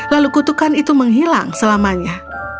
lalu kutukan itu menghilang selamanya